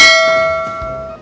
kok gue sih dia